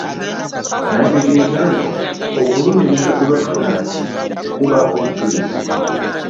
Nategeeza nti okulumiriza kwe baafuna tekubaako bujulizi.